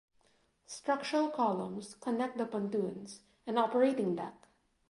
Structural columns connect the pontoons and operating deck.